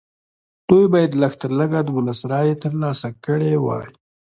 دوی باید لږ تر لږه دولس رایې ترلاسه کړې وای.